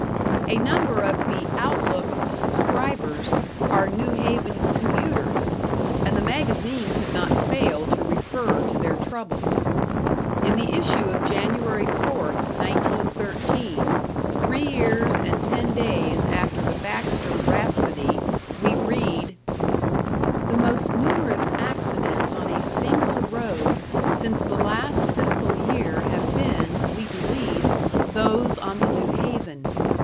A number of the "Outlook's" subscribers are New Haven "commuters", and the magazine could not fail to refer to their troubles. In the issue of Jan. 4th, 1913, three years and ten days after the Baxter rhapsody, we read: The most numerous accidents on a single road since the last fiscal year have been, we believe, those on the New Haven.